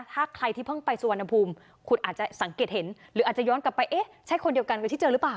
ถ้าใครที่เพิ่งไปสุวรรณภูมิคุณอาจจะสังเกตเห็นหรืออาจจะย้อนกลับไปเอ๊ะใช่คนเดียวกันกับที่เจอหรือเปล่า